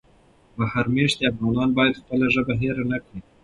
بهر مېشتي افغانان باید خپله ژبه هېره نه کړي.